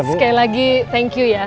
sekali lagi thank you ya